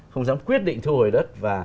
không dám quyết định thu hồi đất